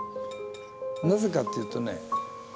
なぜかっていうとね